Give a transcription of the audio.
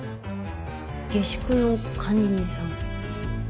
下宿の管理人さん。